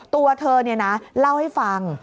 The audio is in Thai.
ตัวเธอเนี่ยนะเล่าให้ฟัง